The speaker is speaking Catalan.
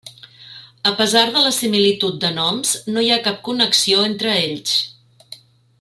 A pesar de la similitud de noms no hi ha cap connexió entre ells.